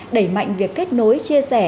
đẩy mạnh việc kết nối chia sẻ